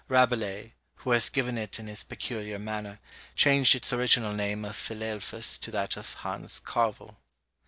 Rabelais, who has given it in his peculiar manner, changed its original name of Philelphus to that of Hans Carvel.